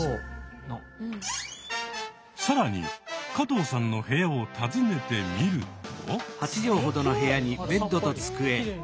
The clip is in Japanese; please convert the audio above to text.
更に加藤さんの部屋を訪ねてみると。